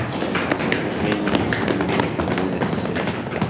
Ẓriɣ ayen ay yettxemmim Ḥemmu n At Sɛid.